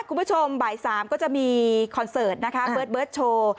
คุณผู้ชมบ่าย๓ก็จะมีคอนเสิร์ตนะคะเบิร์ตโชว์